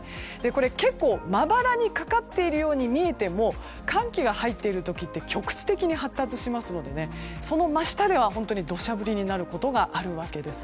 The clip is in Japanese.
結構、まばらにかかっているように見えても寒気が入っている時って局地的に発達しますのでその真下では土砂降りになることがあるわけです。